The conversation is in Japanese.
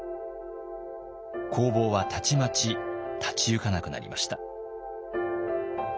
工房はたちまち立ち行かなくなりました。